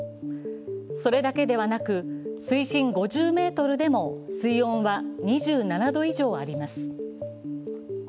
それだけではなく水深５０ｍでも水温は２７度以上あります。